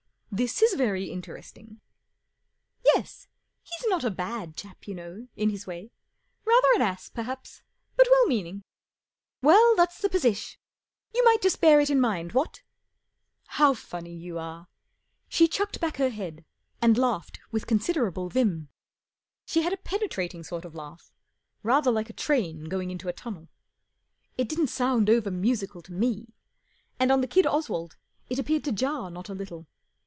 " This is very interesting." " Yes. He's not a bad chap, you know, in his way. Rather an ass, perhaps, but well meaning. Well, that's the posish. You might just bear it in mind, what ?"" How funny you are !" She chucked back her head and laughed with considerable vim. She had a pene¬ trating sort of laugh. Rather like a train going into a tunnel. It didn't sound over musical to me, and on the kid Oswald it appeared to jar not a little.